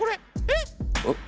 えっ？